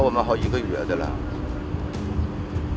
tapi sekarang kita juga tidak tahu